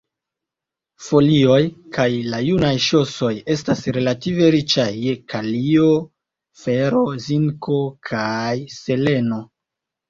Folioj kaj la junaj ŝosoj estas relative riĉaj je kalio, fero, zinko kaj seleno.